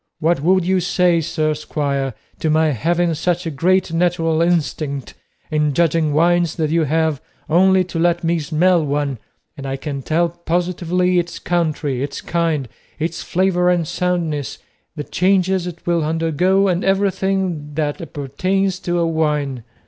What would you say, sir squire, to my having such a great natural instinct in judging wines that you have only to let me smell one and I can tell positively its country, its kind, its flavour and soundness, the changes it will undergo, and everything that appertains to a wine?